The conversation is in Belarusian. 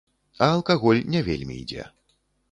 А алкаголь не вельмі ідзе.